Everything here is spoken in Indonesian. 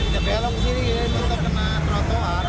ya belok disini kita kena trotoar